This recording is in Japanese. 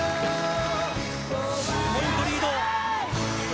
ポイントリード